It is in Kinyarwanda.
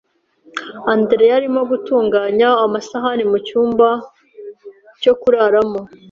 Andereya arimo gutunganya amasahani mu cyumba cyo kuraramo .